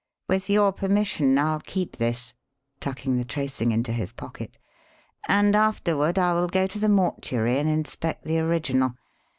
With your permission, I'll keep this" tucking the tracing into his pocket "and afterward I will go to the mortuary and inspect the original.